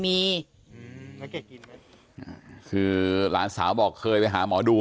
มีอืมแล้วแกกินไหมอ่าคือหลานสาวบอกเคยไปหาหมอดู